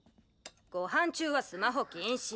ご飯中はスマホ禁止。